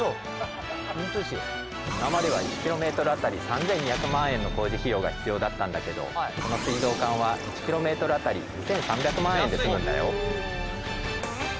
今までは１ｋｍ当たり３，２００万円の工事費用が必要だったんだけどこの水道管は１ｋｍ当たり２，３００万円で済むんだよ。